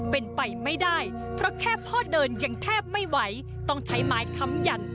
เป็นไปไม่ได้เพราะแค่พ่อเดินยังแทบไม่ไหวต้องใช้ไม้ค้ำยัน